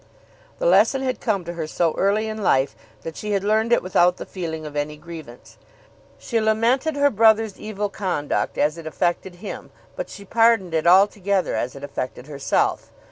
The lesson had come to her so early in life that she had learned it without the feeling of any grievance. She lamented her brother's evil conduct as it affected him, but she pardoned it altogether as it affected herself.